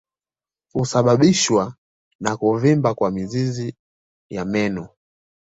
Husababishwa na kuvimba kwa mizizi ya meno